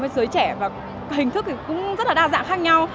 với giới trẻ và hình thức cũng rất là đa dạng khác nhau